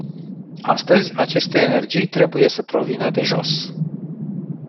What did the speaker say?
Astăzi, aceste energii trebuie să provină de jos.